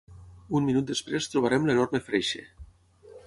Un minut després trobarem l'enorme freixe.